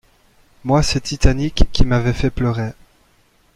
Moi c'est Titanic qui m'avait fait pleurer.